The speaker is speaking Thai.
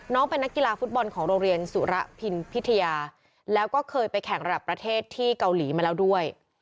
เป็นนักกีฬาฟุตบอลของโรงเรียนสุระพินพิทยาแล้วก็เคยไปแข่งระดับประเทศที่เกาหลีมาแล้วด้วย